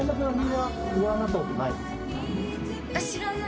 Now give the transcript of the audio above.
はい。